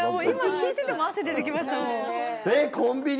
今聞いてても汗出てきましたもん。